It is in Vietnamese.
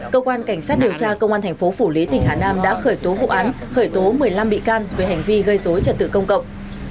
cơ quan cảnh sát điều tra công an thành phố phủ lý tỉnh hà nam đã khởi tố vụ án khởi tố một mươi năm bị can về hành vi gây dối trật tự công cộng